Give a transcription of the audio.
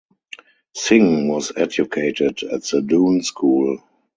Singh was educated at The Doon School.